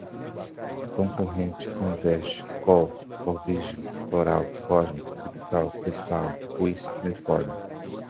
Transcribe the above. concurrent, converge, cool, corvision, coral, cosmic, cryptol, crystal, cuis, cuneiform